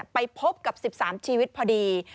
ไปพบกับ๑๓ชีวิตพอดี